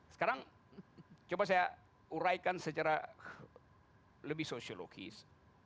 sekarang coba saya uraikan secara lebih sosiologis